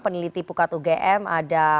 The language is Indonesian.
peneliti pukat ugm ada